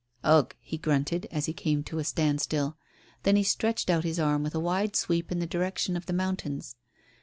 "Ugh," he grunted, as he came to a standstill. Then he stretched out his arm with a wide sweep in the direction of the mountains.